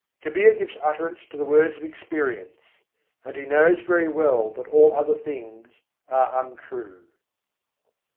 Kabîr gives utterance to the words of experience; and he knows very well that all other things are untrue.